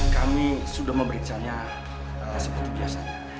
kami sudah memberikannya seperti biasa